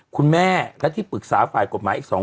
คุณแม่และที่ปรึกษาฝ่ายกฎหมายอีก๒คน